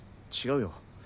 違うよ。